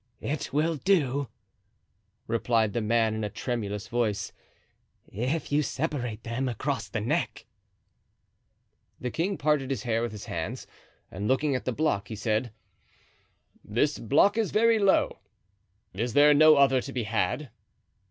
"It will do," replied the man, in a tremulous voice, "if you separate them across the neck." The king parted his hair with his hands, and looking at the block he said: "This block is very low, is there no other to be had?"